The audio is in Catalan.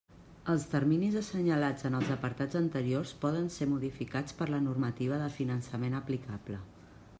Els terminis assenyalats en els apartats anteriors poden ser modificats per la normativa de finançament aplicable.